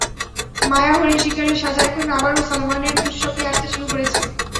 মায়া হরিণ শিকারের সাজা এখন আবারও সালমানের দুঃস্বপ্নে আসতে শুরু করেছে।